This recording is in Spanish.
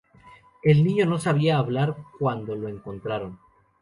El niño no sabía hablar cuando lo encontraron.